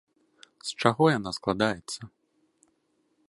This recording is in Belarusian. З чаго яна складаецца?